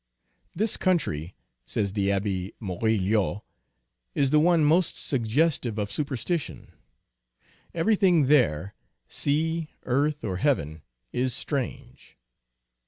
" This country, 7 says the Abb Morillot, "is the one most suggestive of su perstition. Everything there, sea, earth, or heaven, is strange."